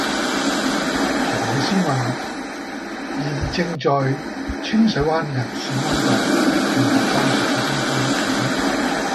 何老師問現正在清水灣銀線灣道勸學生早啲返屋企